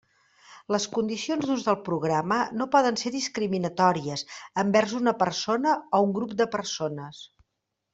Les condicions d'ús del programa no poden ser discriminatòries envers una persona o un grup de persones.